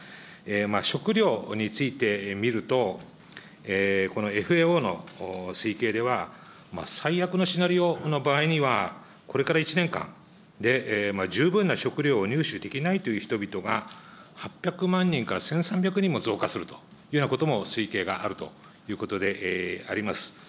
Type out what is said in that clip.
食料について見ると、このＦＡＯの推計では、最悪のシナリオの場合には、これから１年間で、十分な食料を入手できないという人々が８００万人から１３００人も増加するというようなことも推計があるということであります。